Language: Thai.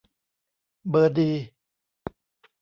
เบอร์ดี